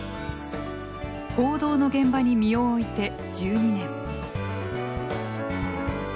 報道の現場に身を置いて１２年。